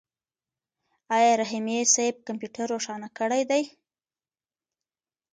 آیا رحیمي صیب کمپیوټر روښانه کړی دی؟